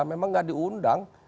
memang gak diundang